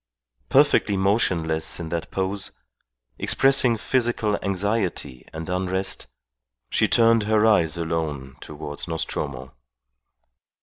Perfectly motionless in that pose, expressing physical anxiety and unrest, she turned her eyes alone towards Nostromo.